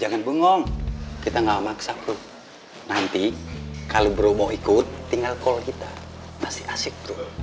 jangan bengong kita gak maksa bro nanti kalau bro mau ikut tinggal call kita masih asik tuh